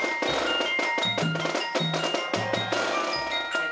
はい。